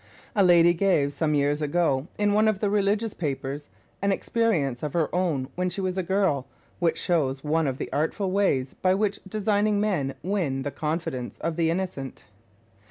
A lady gave, some years ago, in one of the religious papers, an experience of her own when she was a girl, which shows one of the artful ways by which designing men win the confidence of the innocent.